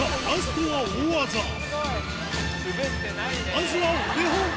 まずはお手本